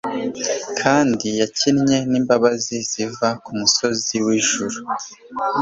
kandi yakinnye imbabazi ziva kumusozi wijuru